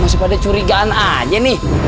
masih pada curigaan aja nih